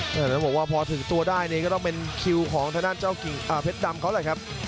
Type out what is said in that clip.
แล้วบอกว่าพอถึงตัวได้นี่ก็ต้องเป็นคิวของทางด้านเจ้าเพชรดำเขาแหละครับ